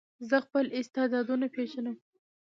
زه خپل استعدادونه پېژنم.